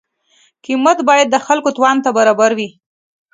قیمت باید د خلکو توان ته برابر وي.